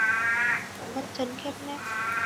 Vắt chân khép nép